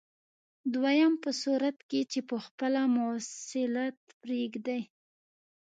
دویم په صورت کې چې په خپله مواصلت پرېږدئ.